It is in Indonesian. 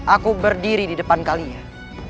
aku berdiri di depan kalian